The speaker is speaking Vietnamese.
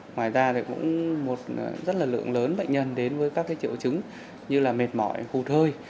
ngoài ra cũng rất là lượng lớn bệnh nhân đến với các triệu chứng như mệt mỏi hụt hơi